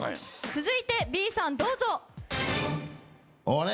続いてＢさんどうぞ。